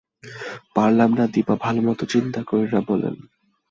পারলাম না দিপা ভালোমতো চিন্তা কইরা বলেন।